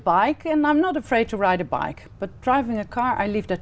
và vào năm hai nghìn một mươi bảy có một phóng viện rất quan trọng của mekong delta